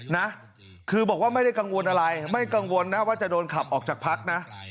นะคือบอกว่าไม่ได้กังวลอะไรไม่กังวลนะว่าจะโดนขับออกจากพักนะ